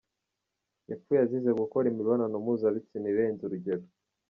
Yapfuye azize gukora imibonano mpuzabitsina irenze urugero